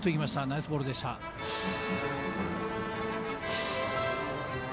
ナイスボールでした。